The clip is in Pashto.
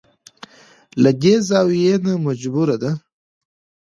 له دې زاويې نه مجبوره ده.